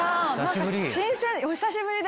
久しぶり！